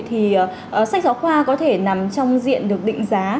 thì sách giáo khoa có thể nằm trong diện được định giá